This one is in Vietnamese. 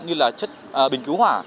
như là chất bình cứu hỏa